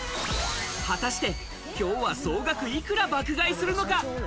果たして今日は総額幾ら爆買いするのか。